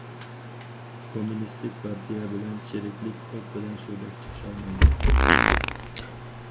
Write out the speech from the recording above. كوممۇنىستىك پارتىيە بىلەن چىرىكلىك ئوت بىلەن سۇدەك چىقىشالمايدۇ.